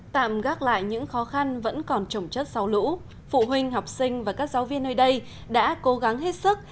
tạm gác lại những khó khăn vẫn còn trồng chất sau lũ phụ huynh học sinh và các giáo viên nơi đây đã cố gắng hết sức